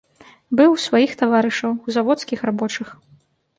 Быў у сваіх таварышаў, у заводскіх рабочых.